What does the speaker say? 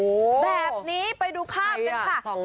แบบนี้ไปดูภาพกันค่ะ